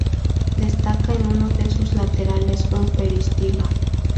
Destaca en uno de sus laterales un peristilo.